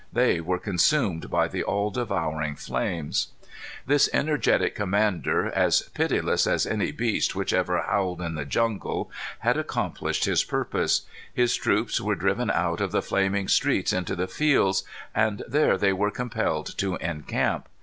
They were consumed by the all devouring flames. This energetic commander, as pitiless as any beast which ever howled in the jungle, had accomplished his purpose. His troops were driven out of the flaming streets into the fields, and there they were compelled to encamp.